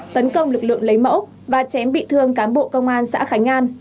tấn công lực lượng lấy mẫu và chém bị thương cán bộ công an xã khánh an